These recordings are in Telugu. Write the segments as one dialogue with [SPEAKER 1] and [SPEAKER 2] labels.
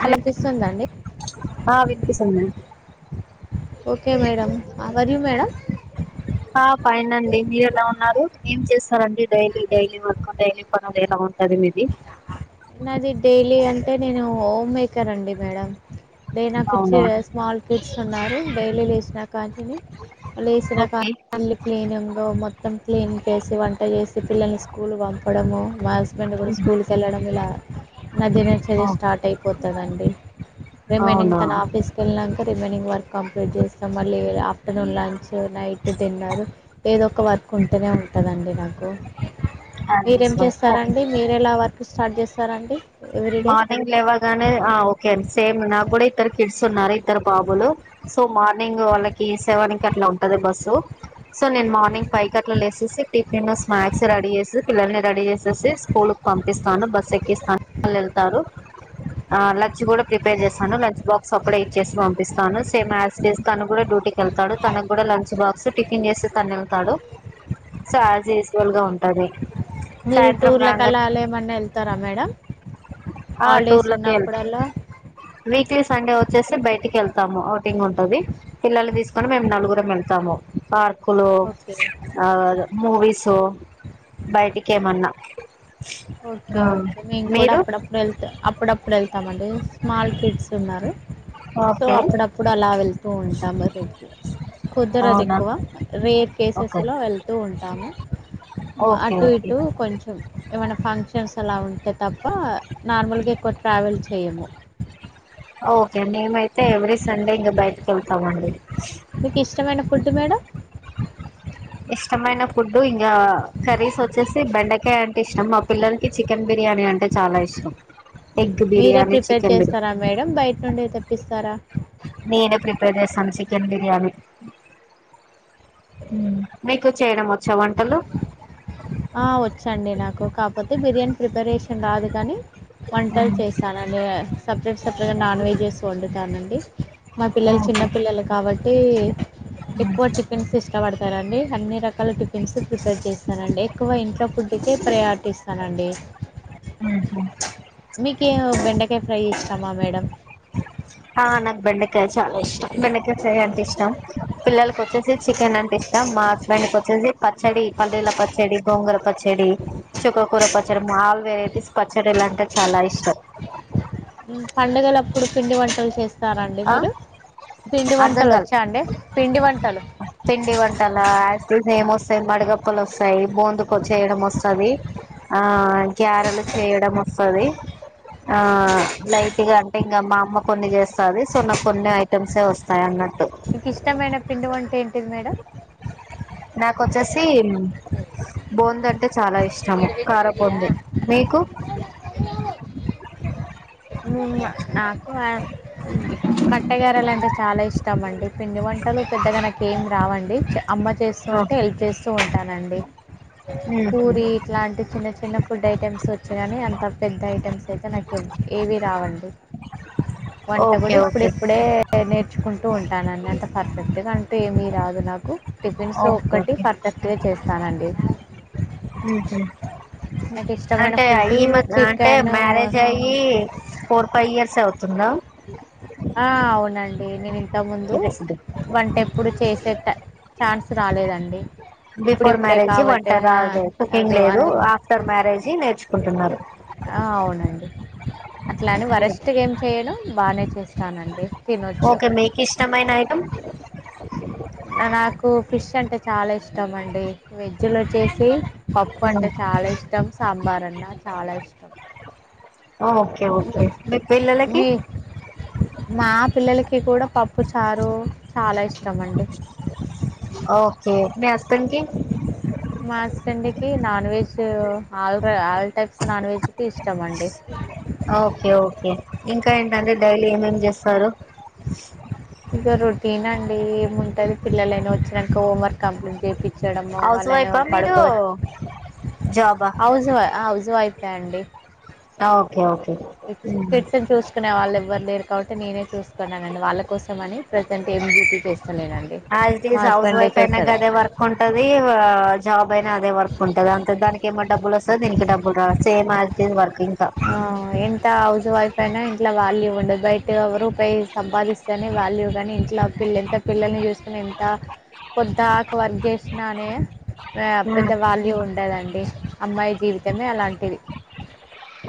[SPEAKER 1] హలో
[SPEAKER 2] వినిపిస్తుందా అండి
[SPEAKER 1] ఆ వినిపిస్సంది మేడం
[SPEAKER 2] ఓకే మేడం అవరిమ్ మేడం
[SPEAKER 1] ఆ ఫైన్ అండి మీరు ఎలా ఉన్నారు ఏం చేస్తారండి డైలీ డైలీ వర్క్ డైలీ పనులు ఎలా ఉంటది మీది
[SPEAKER 2] నాది డైలీ అంటే నేను హోమ్ మేకర్ అండి మేడం డే నాకు వచ్చి
[SPEAKER 1] అవునా
[SPEAKER 2] స్మాల్ కిడ్, సున్నారు డైలీ లేస్ చినా కాంచిని లేసినాకా
[SPEAKER 1] ఓకే
[SPEAKER 2] [unintelligible] క్లీనింగో మొత్తం క్లీన్ చేసి వంట చేసి పిల్లల్ని స్కూల్ పంపడము మా హస్బెండ్ కూడా స్కూల్ కి వెళ్ళడం ఇలా. నాదిన చది
[SPEAKER 1] ఓ
[SPEAKER 2] స్టార్ట్ అయిపోతదండి రిమైనింగ్
[SPEAKER 1] అవునా
[SPEAKER 2] తన ఆఫీస్ కెళ్ళి నా కా రిమైనింగ్ వర్క్ కంప్లీట్ జేస్తా మళ్ళీ ఆఫ్ టర్నూన్ లంచ్ నైట్ తిన్నారు ఏదో ఒక వర్క్ ఉంటనే ఉం కదండి నాకు
[SPEAKER 1] యాజ్
[SPEAKER 2] మీరేం
[SPEAKER 1] యూజువల్ ఓకే
[SPEAKER 2] చేస్తారండి మీరెలా వర్క్ [unintelligible] స్టార్ట్ జెస్ తరండి
[SPEAKER 1] మార్నింగ్ లేవగానే ఆ ఓకే అండి సేమ్ నా కూడా ఇద్దరు కిడ్స్ ఉన్నారు ఇద్దరు బాబులు సో, మార్ నింగ్ వాళ్ళకి సెవెనికట్లా తది బస్సు సో నేను మార్నింగ్ పైవ్ కట్ల లేసేసి టిఫిన్ స్నాక్స్ రెడీ చేసి, పిల్లల్ని రెడీ చేసేసి స్కూల్ కి పంపిస్తాను బస్ ఎక్కిస్తాన్. వాళ్లెళ్తారు ఆ లంచ్ కూడా ప్రిపేర్ చేస్తాను లంచ్ బాక్స్ అప్పుడే ఇచ్చేసి పంపిస్తాను, సేమ్ యాజ్ టీజ్ తను కూడా డ్యూటీకి వెళ్తాడు, తనగ్గూడా లంచ్ బాక్స్ టిఫిన్ చేసి తను వెళ్తాడు సో యాజ్ యూజువల్ గా ఉంటాది.
[SPEAKER 2] మీరు టూర్ల కలా అలా ఏమన్నా వెళ్తరా మేడం
[SPEAKER 1] ఆ
[SPEAKER 2] హాలిడేస్
[SPEAKER 1] టూర్ల కెళ్త
[SPEAKER 2] ఉన్నప్పుడల్లా
[SPEAKER 1] వీక్లీ సండే వచ్చే సే బైటికి వెళ్తాము ఔటింగ్ ఉంటది. పిల్లల్ని తీసుకొని మేము నలుగురం వెళ్తాము పార్ క్లో
[SPEAKER 2] ఓకే
[SPEAKER 1] ఆ వాద మూవీస్ బయిటికి ఏమన్నా
[SPEAKER 2] ఓకే
[SPEAKER 1] ఆ,
[SPEAKER 2] ఓకే నేం కూడా
[SPEAKER 1] మీరు
[SPEAKER 2] అప్పుడప్పుడు వెళ్తా అప్పుడప్పుడు వెళ్తామండి స్మాల్ కిడ్స్ ఉన్నారు సో
[SPEAKER 1] ఓకే
[SPEAKER 2] అప్పుడప్పుడు అలా వెళ్ తూ ఉంటాము రెడ్కి కుదరదు
[SPEAKER 1] అవునా
[SPEAKER 2] ఎక్కువ రేర్
[SPEAKER 1] ఓకే
[SPEAKER 2] కేసెస్లో వెళ్తూ ఉంటాము
[SPEAKER 1] ఓకే
[SPEAKER 2] అటు
[SPEAKER 1] ఓకే
[SPEAKER 2] ఇటు కొంచెం ఏమైన ఫంక్షన్స్ అలా ఉంటే తప్ప నార్మల్గా ఎక్కువ ట్రావెల్ చేయము
[SPEAKER 1] ఇక మేమైతే ఎవ్రీ సండే ఇంకా బయటకి వెళ్తామండి
[SPEAKER 2] మీకు ఇష్టమైన ఫుడ్ మేడం
[SPEAKER 1] ఇష్టమైన ఫుడ్డు ఇంకా కర్రీస్ వచ్చేసి బెండకాయ అంటే ఇష్టం మా పిల్లలకి చికెన్ బిర్యానీ అంటే అంటే చాలా ఇష్టం ఎగ్
[SPEAKER 2] మీరే
[SPEAKER 1] బిర్యానీ
[SPEAKER 2] ప్రిపేర్
[SPEAKER 1] చికెన్ బిర్యా
[SPEAKER 2] చేస్తారా మేడం బయట నుండి తెప్పిస్తారా
[SPEAKER 1] చికెన్ బిర్యానీ మీకు చేయడం వచ్చా వంటలు
[SPEAKER 2] ఆ వచ్చండి నాకు కాకపోతే బిర్యానీ ప్రిపరేషన్ రాదు కానీ వంటలు చేస్తానండి సపరేట్ సపరేట్గా నాన్ వెజెస్ వండుతానండి మా పిల్లలు చిన్న
[SPEAKER 1] ఆహా
[SPEAKER 2] పిల్లలు కాబట్టి ఏ ఎక్కువ చికెన్స్ ఇష్టపడత చేస్తారండి అన్ని రకాల టిఫిన్స్ ప్రిపేర్ చేస్తానండి ఎక్కువ ఇంట్లో ఫుడ్ కే ప్రయారిటీ ఇస్తానండి
[SPEAKER 1] ఆహా
[SPEAKER 2] మీకు ఏ కాయ ఫ్రై ఇస్తామా మేడం
[SPEAKER 1] ఆ నాకు బెండకాయ చాలా ఇష్టం బెండకాయా ఫ్రై అంటే ఇష్టం పిల్లలకి వచ్చేసి చికెన్ అంటే ఇష్టం మా హస్బెండ్కి వచ్చేసి పచ్చడి పల్లీల పచ్చడి గోంగుర పచ్చడి చుక్కకూర పచ్చడి మాల్ వెరైటీస్ పచ్చడిలు అంటే చాలా ఇష్టం
[SPEAKER 2] పండుగలప్పుడు పిండి వంటలు చేస్తా
[SPEAKER 1] ఆ అర్ధం
[SPEAKER 2] వంటలు
[SPEAKER 1] కాల
[SPEAKER 2] వచ్చా అండి పిండి వంటలు
[SPEAKER 1] పిండి వంటాల యాజ్ ఇట్ ఈజ్ ఏమ్ వస్తాయి మడగప్పలు వస్తాయి వాయి బోందు చేయడం వస్తుంది ఆ గ్యారెలు చేయడం వస్తుది ఆ లైట్గా అంటే ఇంకా మా అమ్మ కొన్ని చేస్త వస్తుంది సో నాకు కొన్ని ఐటెమ్స్ ఏ వస్తాయి అన్నట్టు
[SPEAKER 2] నీకు ఇష్టమైన పిండివంట ఏంటి ఏంటిది మేడమ్
[SPEAKER 1] నాకొచ్చేసి బూంది అంటే చాలా ఇష్టము కారం బూంది మీకు [inaudible]
[SPEAKER 2] హూ నా మట్టగారలు అంటే చాలా ఇష్టం అండి పిండి వంటలు పెద్దగా నాకు ఏమి రావండి చ అమ్మ చేస్తుూ
[SPEAKER 1] ఉహు
[SPEAKER 2] ఉంటే హెల్ప్ చేస్తూ ఉంటానండి పూరి ఇట్లాంటి చిన్న చిన్న ఫుడ్ ఐటమ్స్ వచ్చా కాని అంత పెద్ద ఐటమ్స్ అయితే నాకు ఏవి రావండి వంట
[SPEAKER 1] ఓకే
[SPEAKER 2] కూడా
[SPEAKER 1] ఓకే
[SPEAKER 2] ఇప్పుడిప్పుడే నేర్చుకుంట కుంటూ ఉంటానని అంత పర్ఫెక్ట్గా అంటే ఏమీ రాదు నాకు టిఫిన్స్
[SPEAKER 1] ఓకే
[SPEAKER 2] ఒకటి
[SPEAKER 1] ఓకే
[SPEAKER 2] పర్ఫెక్ట్ గా చేస్తానండి
[SPEAKER 1] ఉహు
[SPEAKER 2] నాకు ఇష్టమైన
[SPEAKER 1] అంటే
[SPEAKER 2] ఫుడ్డూ
[SPEAKER 1] మధ్య అంటే
[SPEAKER 2] చికెను
[SPEAKER 1] మ్యారేజ్ ఈ అయ్యి ఫోర్ ఫైవ్ ఇయర్స్ అవుతుందా
[SPEAKER 2] ఆ అవునండి నేను ముందు వంట ఎప్పుడు చేసే ఛాన్స్ రాలేదండి.
[SPEAKER 1] బిఫోర్
[SPEAKER 2] ఇప్పుడిప్పుడే
[SPEAKER 1] మ్యారేజి వంట
[SPEAKER 2] కాబట్టి ఆ
[SPEAKER 1] రాదు కుకింగ్
[SPEAKER 2] అదో
[SPEAKER 1] లేదు
[SPEAKER 2] అందుకు
[SPEAKER 1] ఆఫ్టర్ మ్యారేజీ నేర్చుకుంటున్నారు.
[SPEAKER 2] అట్లా అని వరస్ట్ గా ఏం చేయను బానే చేస్తానండి తినొచ్చు
[SPEAKER 1] ఓకే మీకిష్టమైన ఐటమ్
[SPEAKER 2] నాకు ఫిష్ అంటే చాలా ఇష్టం అండి వెజ్లో వచ్చేసి పప్పు అంటే చాలా ఇష్టం సాంబార్ అన్నా చాలా ఇష్
[SPEAKER 1] ఓకే ఓకే మీ పిల్లలకి
[SPEAKER 2] మీ మా పిల్లలకి కూడా పప్పు చారు చాలా ఇష్టం అండి
[SPEAKER 1] ఓకే మీ హస్బెండ్ కి
[SPEAKER 2] మా హస్బెండ్ కి non veg all all types non veg అంటే ఇష్టం అండి
[SPEAKER 1] ఓకే ఓకే ఇంకా ఏంటంటే డైలీ ఏమేమేం చేస్తారు.
[SPEAKER 2] ఇంకా రోటీనే ఇవ్ ఉంటది పిల్లలను వచ్చినక హోంవర్క్ కంప్లీట్ చేపించడం
[SPEAKER 1] హౌస్
[SPEAKER 2] వాళ్ళను
[SPEAKER 1] వైఫా మీరు
[SPEAKER 2] పడుకో
[SPEAKER 1] జాబా
[SPEAKER 2] హౌస్ హౌస్ వైఫ్ రండి
[SPEAKER 1] ఓకే ఓకే
[SPEAKER 2] కిడ్స్ కిడ్స్ ను చూసుకునే వాళ్ళు ఎవ్వరు లేరు కాబట్టి నేనే చూస్ అండ్ వాళ్ళ కోసమని ప్రజెంట్ ఏం డ్యూటి చేస్త
[SPEAKER 1] as it is house wife అయినా అదే వర్క్ ఉంటది ఆ జాబ్ అయినా అదే వర్క్ ఉంటది అంతే దానికి ఏమో డబ్బులు వస్తది దీనికి డబ్బులు రాదు సేమ్ యాస్ టీస్ వర్క్ ఇంకా
[SPEAKER 2] ఆ ఎంత హౌస్ వైఫ్ అయినా ఇంట్లో వాల్యూ ఉండదు బయట రూపాయి సంపాదిస్తనే వాల్యూ గాని ఇంట్లో పిల్ల ఎంత పిల్లల్ని చూసు ఎంత పొద్దాకు వర్క్ చేసినానే ఆ పెద్ద వాల్యూ ఉండదండి. అమ్మాయి జీవితమే అలాంటి టిది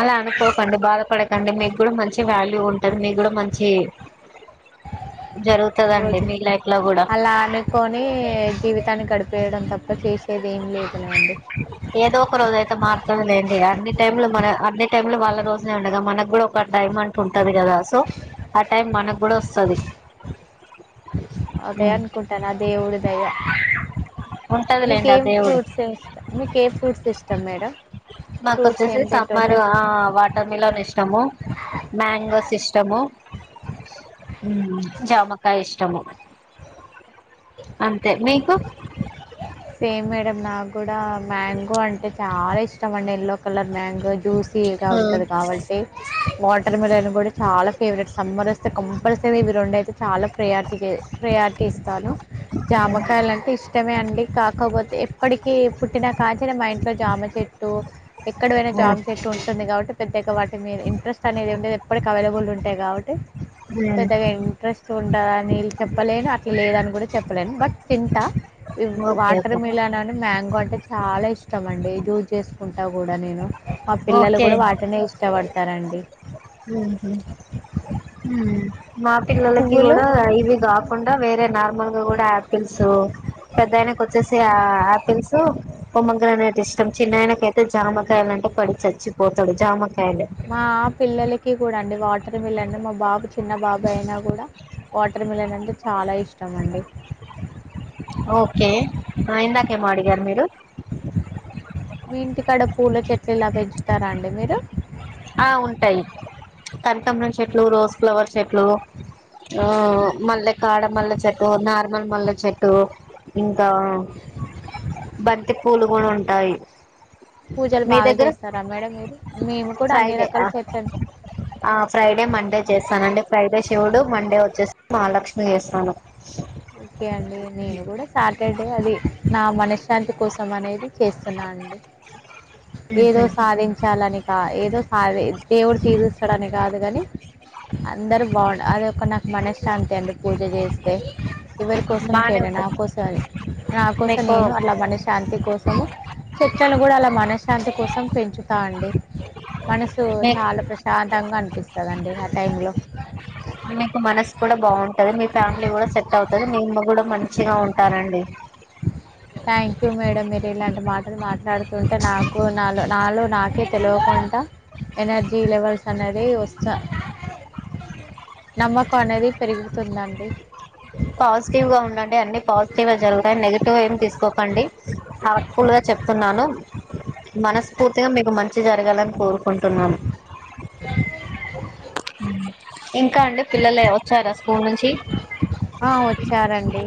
[SPEAKER 1] అలా అనుకోకండి బాధపడకండి మీకు కూడా మంచి వాల్యూ ఉంటది మీకు కూడా మంచి జరుగుతదండి
[SPEAKER 2] రోజు
[SPEAKER 1] మీ లైఫ్ లో కూడా
[SPEAKER 2] అలా అనుకొని జీవితాన్ని గడిపేయడం తప్ ఇంకా చేసేది ఏమి లేదులే అండి
[SPEAKER 1] ఏదో ఒక రోజు అయితే మారుతదిలేండి. అన్ని టైంలు మన అన్ని టైంలు వాళ్ళ రోజులే ఉండగా మనకు కూడా ఒక టైం అంటూ ఉంటది కదా. సో ఆ టైం మనకు కూడా వస్తది
[SPEAKER 2] అదే
[SPEAKER 1] ఉమ్
[SPEAKER 2] అనుకుంటాన ఆ దేవుడి దయ
[SPEAKER 1] ఉంటదిలేండి ఆ
[SPEAKER 2] మీకేం
[SPEAKER 1] దేవుడు
[SPEAKER 2] ఫ్రూట్స్ ఏ ఇస్తా మీక్ ఏం ఫ్రూట్స్ ఇస్ త మేడా
[SPEAKER 1] మాక్ వచ్చేసి సమ్మర్ ఆ వాటర్ మిలన్ ఇష్టము మ్యాంగోస్ ఇష్టము, జామకాయ ఇష్ ష్టము అంతే మీకు
[SPEAKER 2] సేమ్ మేడం నాకు కూడా మ్యాంగో అంటే చాలా ఇష్టం అండి, ఎల్లో కలర్ మ్యాంగో జ్యూస్ ఫీల్గా
[SPEAKER 1] ఉమ్
[SPEAKER 2] ఉంటది కాబట్టి, వాటర్ మెలన్ కూడా చాలా ఫేవరెట్, సమ్మర్ వస్తే కంపల్సరీ ఇవి రెండు అయితే చాలా ప్రయారిటీ ప్రయారిటీ ఇస్తాను. జామకాయలు అంటే ఇష్టమే అండి, కాకపోతే ఎప్పటికి పుట్టినా కాంచీ నేన్ మ ఇంట్లో జామ చె ట్టు ఎక్కడ పోయినా
[SPEAKER 1] ఉమ్
[SPEAKER 2] జామ్ చెట్టు ఉంటుంది కాబట్టి పెద్దగా వా మీరు ఇంట్రెస్ట్ అనేది ఉండేది ఎప్పటికి అవైబుల్ ఉంటాయి కా
[SPEAKER 1] ఓకే
[SPEAKER 2] పెద్దగా ఇంట్రెస్ట్ ఉంటదని ఎల్ చెప్పలేను అట్ల లేదని కూడా చెప్పలేన్ బట్ తింటా వి వాటర్
[SPEAKER 1] ఓకే
[SPEAKER 2] మిలాన్ అని మ్యాంగో న్ అంటే చాలా ఇష్టం అండి జూస్ చేసుకుంటా కూడా నేను మా పిల్లలు
[SPEAKER 1] ఓకే
[SPEAKER 2] కూడా వాటినే ఇష్టపడతారండి
[SPEAKER 1] హు హుమ్ హ్మ్ మా పిల్లలకి
[SPEAKER 2] పువ్వులు
[SPEAKER 1] కూడా ఇవి కాకుండా వేరే నా కొమ్మగా కూడా ఆపిల్స్, పెద్ద ఆయనకి వచ్చేసి ఆపిల్స్, పొమ్మోగ్రానేట్ ఇష్టం, చిన్న ఆయనకయితే జామకాయల న్
[SPEAKER 2] మా పిల్లలకి కూడా అండి వాటర్ మిలన్ మా బాబు చిన్న బాబు అయినా కూడా వాటర్ మిలన్ అంటే చాలా ఇష్టం అండి
[SPEAKER 1] ఓకే ఆ ఇందాక ఏమో మీరు
[SPEAKER 2] మీ ఇంటికాడ పూల చెట్లులా పెంచుతారా అండి మీరు
[SPEAKER 1] ఆ ఉంటాయి కనకంబరం చెట్లు, రోజ్ ఫ్లవర్ చెట్లు, హూ మల్లె కాడ మల్లె చెట్టు నార్ మర్మల్లే చెట్టు ఇం దా బంతి పూలు పూల్ ఉంటాయి
[SPEAKER 2] పూజలు
[SPEAKER 1] మీ
[SPEAKER 2] బాగా
[SPEAKER 1] దగ్గర
[SPEAKER 2] చేస్తారా మేడం మీరు మేము కు
[SPEAKER 1] ఫ్రైడే ఆ ఆ ఫ్రైడే మండే చేస్తానండి ఫ్రైడే శివుడు మండే వచ్చేసి మహాలక్ష్మి చేస్తాను.
[SPEAKER 2] ఓకే అండి నేను కూడా సాటర్డే అది నా మనశ్ శాంతి కోసం అనేది చేస్తున్నా అండి ఏదో సాధించాలని ఏదో సాది దేవుడు తీరుస్తడాని కాదు కాని అందరు బాగుంట అది ఒక నాకు మనశ్శ శాంతి అండి పూజ చేస్తే ఎవరి కోసం
[SPEAKER 1] బానే
[SPEAKER 2] చేయను నా
[SPEAKER 1] ఉంటది
[SPEAKER 2] కోసం నా కోసం
[SPEAKER 1] మీకు
[SPEAKER 2] నేను అట్లా మనశ్శాంతి కోసము చెట్లను కూడా అలా మనశ్శాంతి కోసం పెంచుతా అండి మనసు
[SPEAKER 1] మీ
[SPEAKER 2] చాలా ప్రశాంతంగా అనిపిస్తదండి ఆ టైంలో
[SPEAKER 1] మీకు మనసు కూడా బాగుంటది మీ ఫ్యామిలీ కూడా స అవుతది నీమ్మ కూడా మంచిగా ఉంటానండి.
[SPEAKER 2] థ్యాంక్ యూ మేడం మీరు ఇలాంటి మాటలు మాట్లాడుతుంట్ ంటే నాకు నాలో నాలో నాకే తెలవకుంట ఎనర్జీ లెవెల్స్ అనేది వస్తు స నమ్మకం అనేది పెరుగుతుందం డి.
[SPEAKER 1] పాజిటివ్ గా ఉండండి కోకండి ఆ కూల్ గా చెప్తున్నాను. మనస్ఫూర్తిగా మీకు మంచి జరగాలని కోరు కోరుకుంటున్నాను. ఇంకా అండి పిల్లలే వచ్చారా స్కూల్ నుంచి
[SPEAKER 2] ఆ వచ్చారండి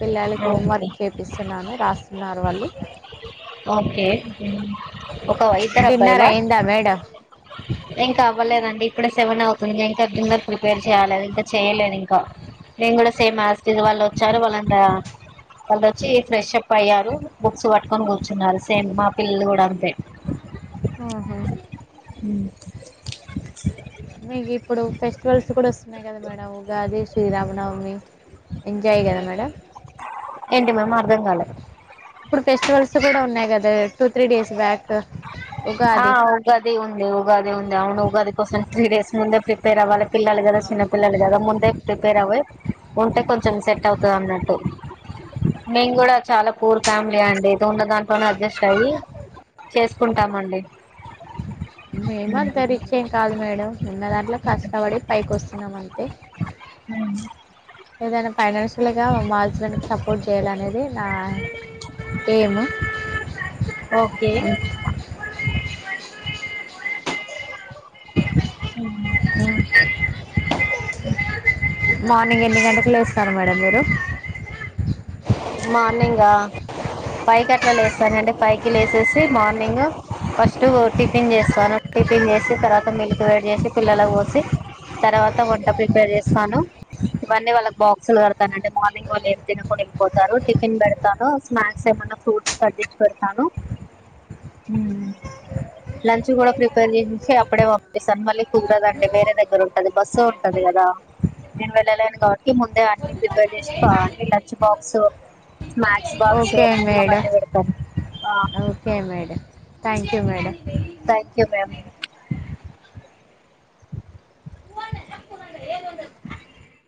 [SPEAKER 2] పిల్లలకి
[SPEAKER 1] ఓకే
[SPEAKER 2] హోంవర్క్ చేపిస్తున్నాను రాస్తున్నారు వాళ్ళు
[SPEAKER 1] ఓకే ఒక ఇద్దరు
[SPEAKER 2] డిన్నర్
[SPEAKER 1] అబ్బాయిలా
[SPEAKER 2] అయిందా మేడం
[SPEAKER 1] ఇంకా అవ్వలేదండి ఇప్పుడు సెవన్ అవు తుంది. ఇప్పుడు ఇంకా డిన్నర్ ప్రిపేర్ చేయాలదు ఇంకా చెయలేదు ఇంకా నేను కూడా సేమ్ అస్ ఇట్ ఇస్ వాళ్ళు వచ్చారు వాళ్ళని వాళ్ళు వచ్చి ఫ్రెష్ప్ అయ్యారు బుక్స్ పట్కొని కూర్చున్నారు. సేసేమ్ మా పిల్లలు కూడా అంతే
[SPEAKER 2] ఆహా! మీకు ఇప్పుడు ఫెస్టివల్స్ కూడా వస్ ఉన్నాయి కద మేడం ఉగాది శ్రీరామనవమి ఎంజాయ్ కదా మేడం.
[SPEAKER 1] ఏంటి మేమ్ అర్ధం కాలే.
[SPEAKER 2] ఇప్పుడు ఫెస్టివల్స్ కూడా ఉన్నాయి కదా టూ త్రీ డేస్ బ్యాక్
[SPEAKER 1] ఆ
[SPEAKER 2] ఉగాది
[SPEAKER 1] ఉగాది ఉంది ఉగాది ఉంది అవును ఉగాది కోసం త్రీ డేస్ ముందే ప్రిపే పేర్ అవ్వాలే పిల్లలు కదా చిన్న పిల్లలు కదా ముందే ప్రిపేర్ అవ్వి ఉంటే కొంచెం సెట్ అవుతదన్నట్టు మేము కూడా చాలా పూర్ ఫ్యామిలీ అండి. ఏదో ఉన్న దాంట్లోనే అడ్జస్ట్ అయి చేసుకుంటాము అండి.
[SPEAKER 2] మేము అంత రిచ్ ఏం కాదు మేడం ఉన్న దాంట్లో కష్టపడి పైకోస్తున్నాము అంతే. ఏదైనా. ఫైనాన్షియల్గా మా హస్బెండ్ కి సపోర్ట్ చేయాలనేదే నా ఏము.
[SPEAKER 1] ఓకే
[SPEAKER 2] కోయగూర ఎబ్
[SPEAKER 1] ఆహ్
[SPEAKER 2] మార్నింగ్ ఎన్ని గంటలకు లేస్తారు మేడం మీరు
[SPEAKER 1] మార్నింగా పైవ్ కి అట్లా లేస్తాను అండి. పైవ్ కి లేసేసి మార్నింగ్ ఫస్ట్ టిఫిన్ చేస్తాను. టిఫిన్ చేసి తర్వాత మిల్క్ వేడి చేసి పిల్లలకు పోసి తర్వాత వంట ప్రిపేర్ చేస్తాను. ఇవన్నీ వాళ్ళకి బాక్సులు కడతానంటే మార్నింగ్ వాళ్ళు ఏం తినకుండ. పోతారు టిఫిన్ పెడతాను. స్నాక్స్ ఏమన్నా ఫ్రూట్స్ కట్టించి పెడతాను. లంచ్ కూడా ప్రిపేర్ చేసేసీ అప్పుడే పంపిస్తాను. మళ్ళీ కుదరదండి. వేరే దగ్గర ఉంటది బస్ ఉంటది కదా. నేను వెళ్ళలేను కాబట్టి ముందే అన్ని ప్రిపేర్ చేసి ఆహ్ లంచ్ బాక్స్. సో స్నాక్స్ బాక్సే
[SPEAKER 2] ఓకే
[SPEAKER 1] మా
[SPEAKER 2] మేడం
[SPEAKER 1] బండి పెడతారు ఆహ్.
[SPEAKER 2] Okay madam thank you madam.
[SPEAKER 1] Thank you ma'am.
[SPEAKER 2] [unintelligible]